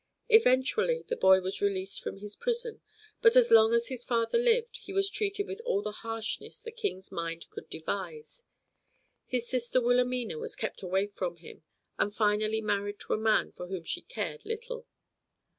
Eventually the boy was released from his prison, but as long as his father lived he was treated with all the harshness the King's mind could devise. His sister Wilhelmina was kept away from him, and finally married to a man for whom she cared little.